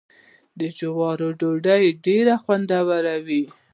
د جوارو ډوډۍ ډیره خوندوره وي.